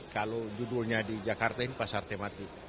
kalau judulnya di jakarta ini pasar tematik